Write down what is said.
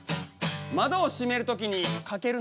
窓を閉める時にかけるのは？